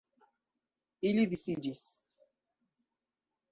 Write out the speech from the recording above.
Ili disiĝis.